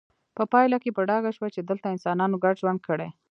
په پایله کې په ډاګه شوه چې دلته انسانانو ګډ ژوند کړی